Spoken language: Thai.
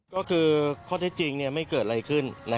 ก็คือข้อเท็จจริงไม่เกิดอะไรขึ้น